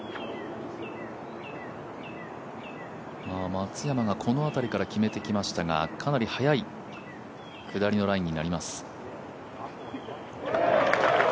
松山がこの辺りから決めてきましたがかなり速い下りのラインになります。